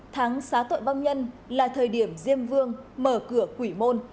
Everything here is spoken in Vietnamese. tháng xá tội vong nhân là thời điểm diêm vương mở cửa quỷ môn